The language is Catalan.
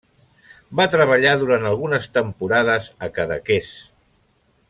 Va treballar durant algunes temporades a Cadaqués.